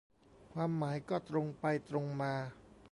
ความหมายก็ตรงไปตรงมา